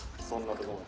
そんな所。